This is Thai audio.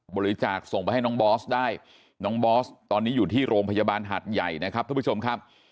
บริจาคส่งไปให้น้องบอสได้น้องบอสตอนนี้อยู่ที่โรงพยาบาลหัดใหญ่นะครับทุกผู้ชมครับ